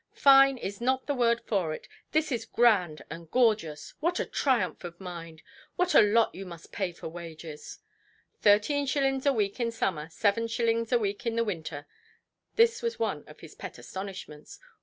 Fine is not the word for it; this is grand and gorgeous. What a triumph of mind! What a lot you must pay for wages"! "Thirteen shillings a week in summer, seven shillings a week in the winter". This was one of his pet astonishments.